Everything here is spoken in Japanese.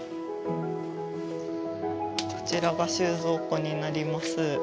こちらが収蔵庫になります。